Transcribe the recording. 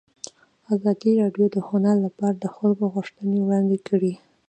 ازادي راډیو د هنر لپاره د خلکو غوښتنې وړاندې کړي.